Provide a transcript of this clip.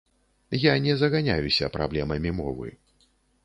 Я не заганяюся праблемамі мовы.